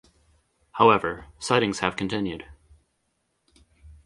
However, sightings have continued.